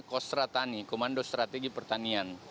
kostratani komando strategi pertanian